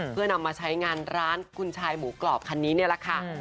เพื่อนำมาใช้งานร้านคุณชายหมูกรอบคันนี้นี่แหละค่ะ